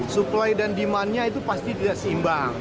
supply dan demandnya itu pasti tidak seimbang